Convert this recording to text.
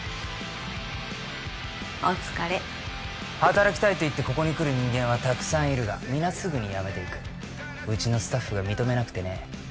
お疲れ働きたいって言ってここに来る人間はたくさんいるが皆すぐに辞めていくうちのスタッフが認めなくてね